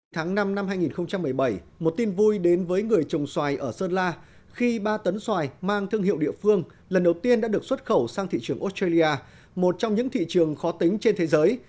tháng năm năm hai nghìn một mươi bảy một tin vui đến với người trồng xoài ở sơn la khi ba tấn xoài mang thương hiệu địa phương lần đầu tiên đã được xuất khẩu sang thị trường australia một trong những thị trường khó tính trên thế giới